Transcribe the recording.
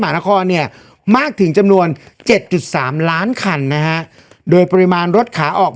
นครเนี่ยมากถึงจำนวน๗๓ล้านคันนะฮะโดยปริมาณรถขาออก